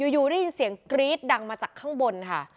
อยู่ได้ยินเสียงกรี๊ดดังมาจากข้างบนค่ะ